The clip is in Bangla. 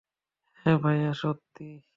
হ্যাঁ ভাইয়া, সত্যি।